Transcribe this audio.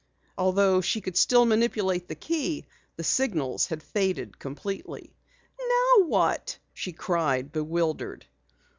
Although she still could manipulate the key, the signals had faded completely. "Now what?" she cried, bewildered.